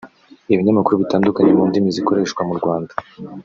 ibinyamakuru bitandukanye mu ndimi zikoreshwa mu Rwanda